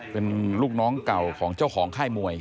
เป็นลูกน้องเก่าของเจ้าของค่ายมวย